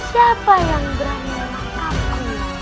siapa yang berani menangkapku